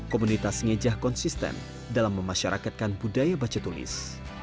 komunitas ngejah konsisten dalam memasyarakatkan budaya baca tulis